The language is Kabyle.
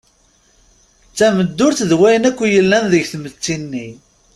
D tameddurt d wayen akk yellan deg tmetti-nni.